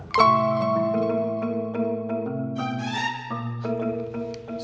tumben banget lo